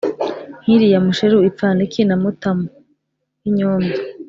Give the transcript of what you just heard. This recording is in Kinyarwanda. nk’iriya Musheru ipfana iki na Mutamu”? Nk’inyombya